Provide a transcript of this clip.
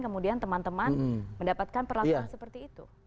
kemudian teman teman mendapatkan perlakuan seperti itu